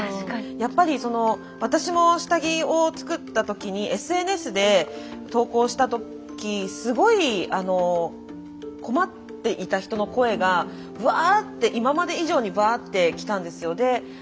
やっぱり私も下着を作った時にＳＮＳで投稿した時すごい困っていた人の声がぶわって今まで以上にぶわって来たんですよ。